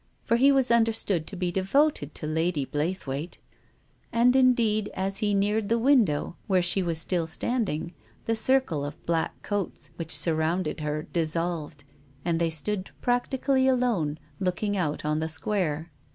He was understood to be devoted to Lady Blay : EheWaita AndT indeed," as lie neared the window where she was still standing, the circle of black coats which surrounded her dissolved, and they stood practically alone, looking out on the square.